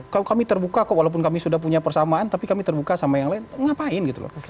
kalau kami terbuka kok walaupun kami sudah punya persamaan tapi kami terbuka sama yang lain ngapain gitu loh